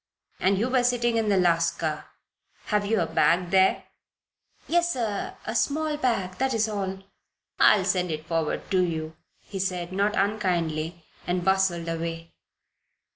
"And you were sitting in the last car. Have you a bag there?" "Yes, sir, a small bag. That is all." "I'll send it forward to you," he said, not unkindly, and bustled away.